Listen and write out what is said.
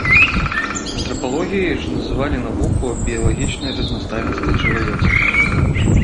Антрапалогіяй ж называлі навуку аб біялагічнай разнастайнасці чалавецтва.